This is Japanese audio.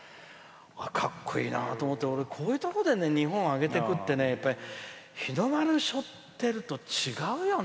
かっこいいなと思って俺、こういうとこで日本を上げてくって日の丸をしょってると違うよね。